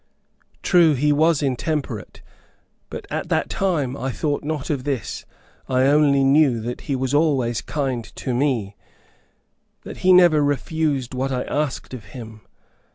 True he was intemperate, but at that time I thought not of this; I only knew that he was always kind to me, that he never refused what I asked of him.